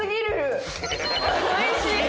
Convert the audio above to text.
おいしい！